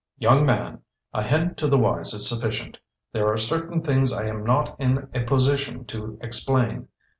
"Young man, a hint to the wise is sufficient. There are certain things I am not in a position to explain.